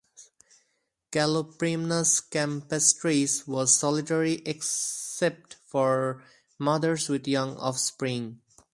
"Caloprymnus campestris" was solitary except for mothers with young offspring.